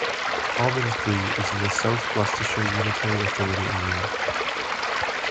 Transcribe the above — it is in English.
Almondsbury is in the South Gloucestershire unitary authority area.